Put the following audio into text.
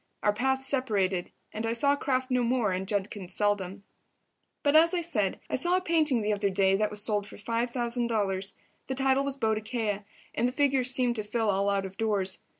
Our paths separated, and I saw Kraft no more and Judkins seldom. But, as I said, I saw a painting the other day that was sold for $5,000. The title was "Boadicea," and the figure seemed to fill all out of doors.